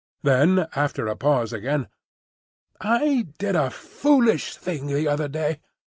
Then, after a pause again: "I did a foolish thing the other day.